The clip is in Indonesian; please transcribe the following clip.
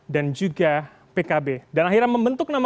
dan bergabung ke koalisi kebangkitan indonesia raya bersama dengan gerindra